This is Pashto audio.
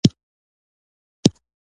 سړک د غریب او شتمن ګډه لار ده.